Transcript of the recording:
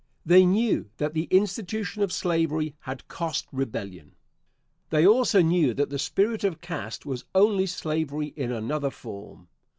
They knew that the institution of slavery had cost rebellion; the also knew that the spirit of caste was only slavery in another form.